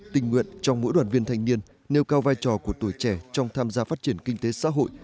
tình nguyện trong mỗi đoàn viên thanh niên nêu cao vai trò của tuổi trẻ trong tham gia phát triển kinh tế xã hội